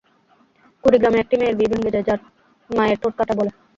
কুড়িগ্রামে একটি মেয়ের বিয়ে ভেঙে যায় তাঁর মায়ের ঠোঁট কাটা বলে।